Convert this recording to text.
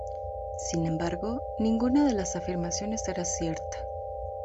Sin embargo, ninguna de las afirmaciones era cierta.